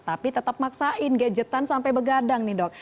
tapi tetap maksain gadgetan sampai begadang nih dok